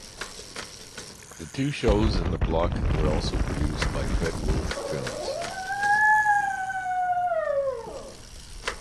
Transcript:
The two shows in the block were also produced by Fred Wolf Films.